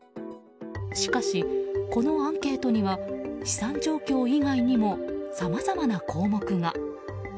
しかし、このアンケートには資産状況以外にもさまざまな項目が。